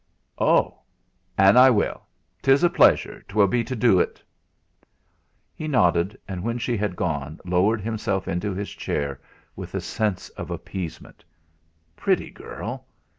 "Oh! an' I will; 'tis a pleasure 'twill be to do ut." He nodded, and when she had gone lowered himself into his chair with a sense of appeasement. Pretty girl!